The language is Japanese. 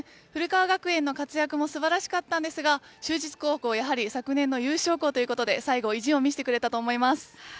古川学園の活躍も素晴らしかったんですが就実高校やはり昨年の優勝校ということで最後意地を見せてくれたと思います。